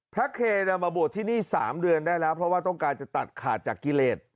เคมาบวชที่นี่๓เดือนได้แล้วเพราะว่าต้องการจะตัดขาดจากกิเลส